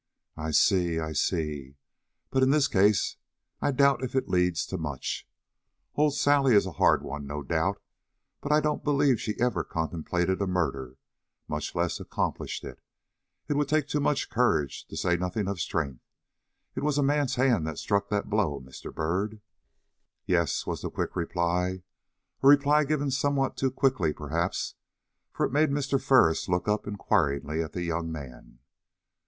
"I see, I see; but, in this case, I doubt if it leads to much. Old Sally is a hard one, no doubt. But I don't believe she ever contemplated a murder, much less accomplished it. It would take too much courage, to say nothing of strength. It was a man's hand struck that blow, Mr. Byrd." "Yes," was the quick reply a reply given somewhat too quickly, perhaps, for it made Mr. Ferris look up inquiringly at the young man.